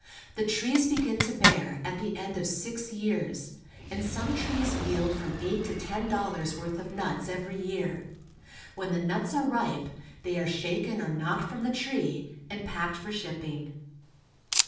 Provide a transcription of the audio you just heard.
The trees begin to bear at the end of six years, and some trees yield from eight to ten dollars' worth of nuts every year. When the nuts are ripe, they are shaken or knocked from the tree, and packed for shipping.